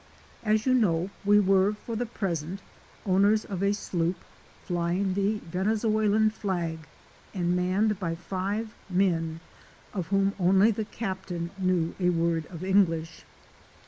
As you know we were, for the present, owners of a sloop flying the Vene zuelan flag and manned by five men, of whom only the Captain knew a word of English.